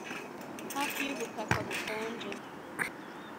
hafi yubutaka bukonje,